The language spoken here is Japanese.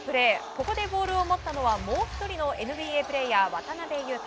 ここでボールを持ったのはもう１人のＮＢＡプレーヤー渡邊雄太。